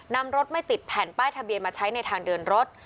นำรถไม่ติดแผ่นป้ายทะเบียนมาใช้ในทางเดินรถ